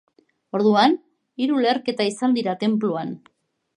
Orduan, hiru leherketa izan dira tenpluan.